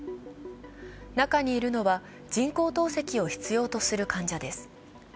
中にいるのは人工透析を必要とする患者です。